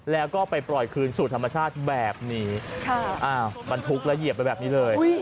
แล้วก็ไปปล่อยคืนสู่ธรรมชาติแบบนี้บรรทุกแล้วเหยียบไปแบบนี้เลย